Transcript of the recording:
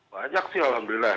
banyak sih alhamdulillah